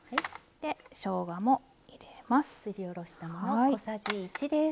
しょうがも入れます。